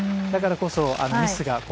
だからこそミスが。